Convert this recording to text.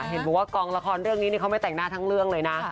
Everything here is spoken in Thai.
เห็นบอกว่ากองละครเรื่องนี้เขาไม่แต่งหน้าทั้งเรื่องเลยนะ